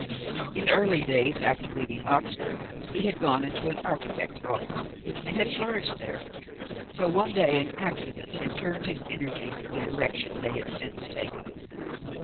In early days, after leaving Oxford, he had gone into an architect's office and had flourished there; till one day an accident had turned his energies in the direction they had since taken.